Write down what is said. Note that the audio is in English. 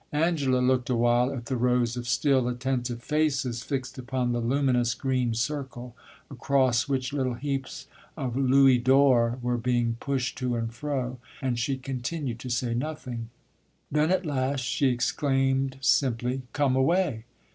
Angela looked a while at the rows of still, attentive faces, fixed upon the luminous green circle, across which little heaps of louis d'or were being pushed to and fro, and she continued to say nothing. Then at last she exclaimed simply, "Come away!"